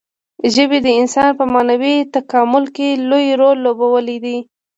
ژبې د انسان په معنوي تکامل کې لوی رول لوبولی دی.